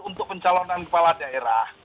untuk pencalonan kepala daerah